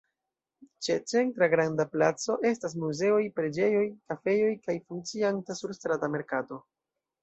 Ĉe centra granda placo estas muzeoj, preĝejoj, kafejoj kaj funkcianta surstrata merkato.